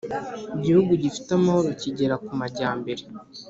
Igihugu gifite amahoro kijyera ku majyambere